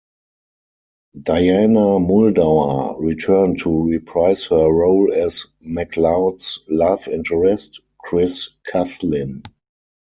Diana Muldaur returned to reprise her role as McCloud's love interest, Chris Coughlin.